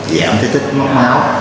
giảm thế tích mất máu